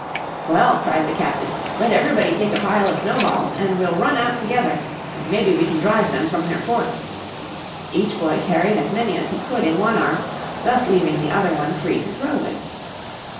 "Well," cried the Captain, "let everybody take a pile of snowballs and we'll run out together and maybe we can drive them from their fort." Each boy carried as many as he could in one arm, this leaving the other one free to throw with.